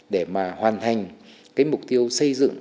để mà hoàn thành cái mục tiêu xây dựng